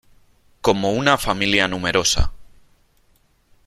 como una familia numerosa .